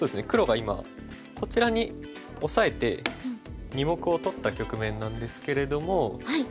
黒が今こちらにオサえて２目を取った局面なんですけれども。